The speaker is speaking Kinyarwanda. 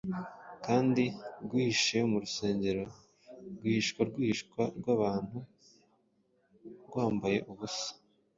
Kandi rwihishe mu rusengero rwihishwa rwihishwa rwabantu rwambaye ubusa,